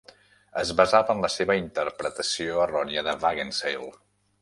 Es basava en la seva interpretació errònia de Wagenseil.